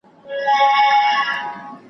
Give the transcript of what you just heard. ته یې ونیسه مابین په خپلو داړو `